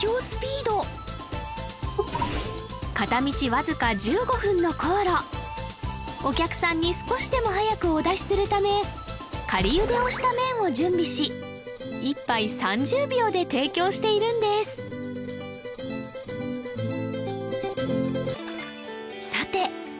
スピード片道わずか１５分の航路お客さんに少しでも早くお出しするため仮ゆでをした麺を準備し１杯３０秒で提供しているんですさて